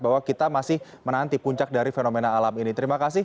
bahwa kita masih menanti puncak dari lanina ini